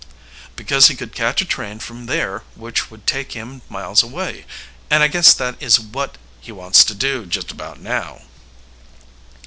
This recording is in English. "Because he could catch a train from there which would take him miles away and I guess that is what he wants to do just about now."